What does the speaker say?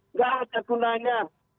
nggak ada gunanya